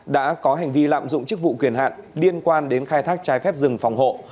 đã có hành vi lạm dụng chức vụ quyền hạn liên quan đến khai thác trái phép rừng phòng hộ